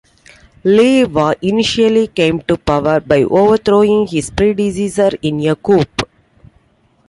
Leiva initially came to power by overthrowing his predecessor in a coup.